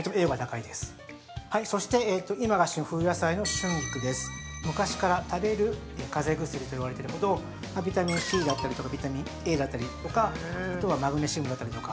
中でも昔から「食べる風邪薬」と言われてるほど、ビタミンＣだったりとかビタミンＡだったりとかあとはマグネシウムだったりとか。